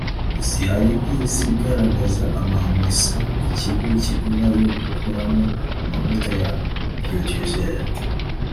zihari nk izigaragaza amamesa ikigo kigura yo gukoramo amavuta ya biodiesel